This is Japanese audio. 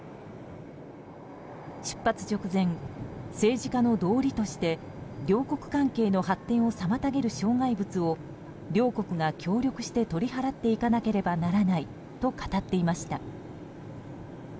出発直前、政治家の道理として両国関係の発展を妨げる障害物を両国が協力して取り払っていかなければならないと語っていました。